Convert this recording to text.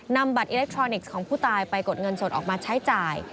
บัตรอิเล็กทรอนิกส์ของผู้ตายไปกดเงินสดออกมาใช้จ่าย